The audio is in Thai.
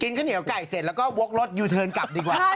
ข้าวเหนียวไก่เสร็จแล้วก็วกรถยูเทิร์นกลับดีกว่า